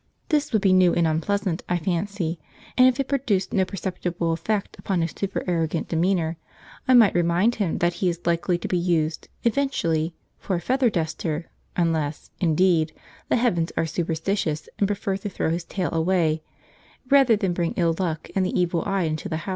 This would be new and unpleasant, I fancy; and if it produced no perceptible effect upon his super arrogant demeanour, I might remind him that he is likely to be used, eventually, for a feather duster, unless, indeed, the Heavens are superstitious and prefer to throw his tail away, rather than bring ill luck and the evil eye into the house.